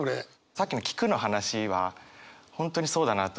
さっきの聞くの話は本当にそうだなと思って。